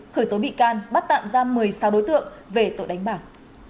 khởi tố bị can bắt tạm ra một mươi sao đối tượng về tội đánh bạc